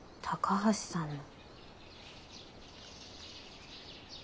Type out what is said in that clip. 高橋さん！